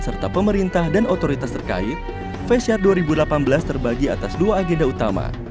serta pemerintah dan otoritas terkait feshare dua ribu delapan belas terbagi atas dua agenda utama